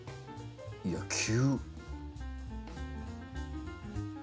いや急。